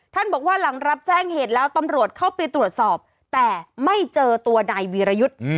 บอกว่าหลังรับแจ้งเหตุแล้วตำรวจเข้าไปตรวจสอบแต่ไม่เจอตัวนายวีรยุทธ์